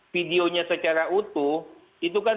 videonya secara utuh itu kan